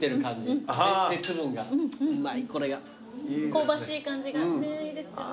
香ばしい感じがいいですよね。